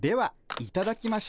いただきます。